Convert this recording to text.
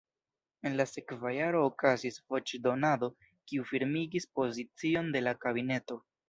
En la sekva jaro okazis voĉdonado, kiu firmigis pozicion de la kabineto.